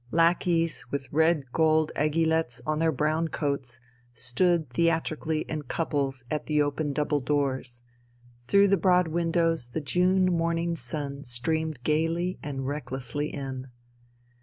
Lackeys, with red gold aiguillettes on their brown coats, stood theatrically in couples at the open double doors. Through the broad windows the June morning sun streamed gaily and recklessly in.